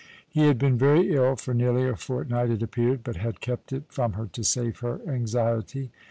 He had been very ill for nearly a fortnight, it appeared, but had kept it from her to save her anxiety.